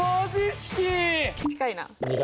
近いな。